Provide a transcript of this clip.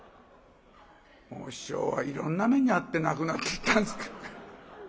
師匠はいろんな目に遭って亡くなっていったんです。